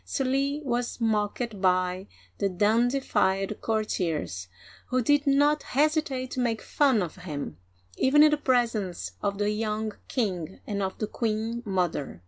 Sully was mocked by the dandified courtiers, who did not hesitate to make fun of him, even in the presence of the young king and of the queen mother.